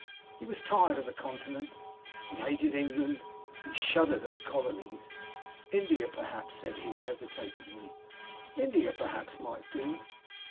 He was tired of the Continent, he hated England, he shuddered at the Colonies. "India, perhaps," said he, hesitatingly, "India, perhaps, might do."